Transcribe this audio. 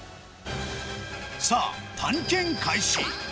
さあ、探検開始。